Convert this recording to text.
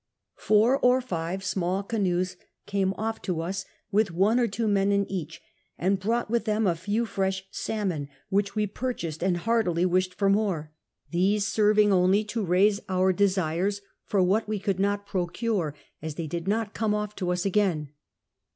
"Four or five small canoes came oflF to us with one or two men in each, and brought with them a few fresh salmon, which we pur cliascd, and heartily wished for more : these serving only to raise our desires for what we could not procure, as they did not come oft' to us again."